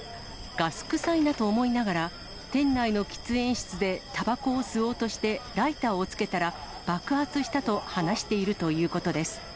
ガス臭いなと思いながら、店内の喫煙室でたばこを吸おうとしてライターをつけたら、爆発したと話しているということです。